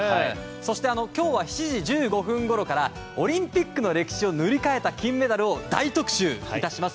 そして今日は７時１５分ごろからオリンピックの歴史を塗り替えた金メダルを大特集致します。